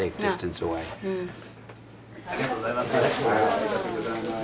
ありがとうございます。